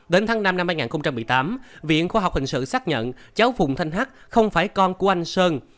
đến tháng năm năm hai nghìn một mươi tám viện khoa học hình sự xác nhận cháu phùng thanh hắt không phải con của anh sơn